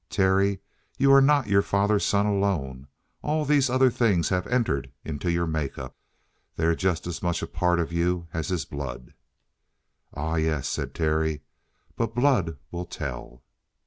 Terry, you are not your father's son alone. All these other things have entered into your make up. They're just as much a part of you as his blood." "Ah, yes," said Terry. "But blood will tell!"